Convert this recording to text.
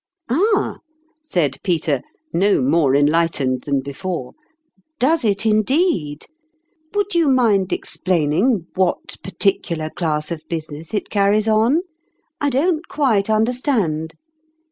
JJrotogtte. 21 " Ah !" said Peter, no more enliglitened than before, " does it indeed ? Would you mind explaining what particular class of busi ness it carries on ? I don't quite under stand."